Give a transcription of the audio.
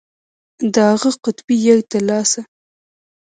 د اغه قطبي يږ د لاسه.